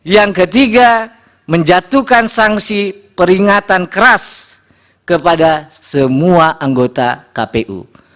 yang ketiga menjatuhkan sanksi peringatan keras kepada semua anggota kpu